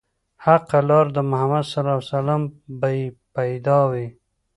حقه لار د محمد ص به يې پيدا وي